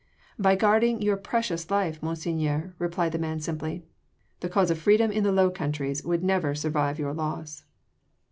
"By guarding your precious life, Monseigneur," replied the man simply. "The cause of freedom in the Low Countries would never survive your loss."